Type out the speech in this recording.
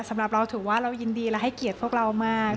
สำหรับเราถือว่าเรายินดีและให้เกียรติพวกเรามาก